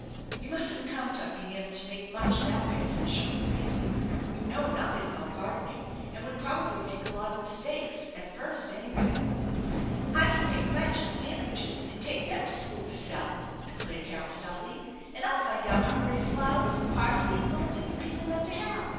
"You mustn't count on being able to make much that way," said Shirley gravely. " You know nothing about gar dening, and would probably make a lot of mistakes at firsi; anywav." W THE ENCHANTED BARN "I can make fudge and sandwiches, and take them to Bchool to sell," declared Carol stoutly ;" and I'll find out how to raise flowers and parsley and little tilings people have to have.